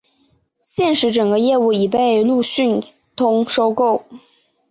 现时整个业务已被路讯通收购。